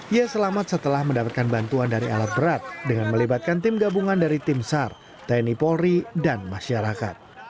ia selamat setelah mendapatkan bantuan dari alat berat dengan melibatkan tim gabungan dari tim sar tni polri dan masyarakat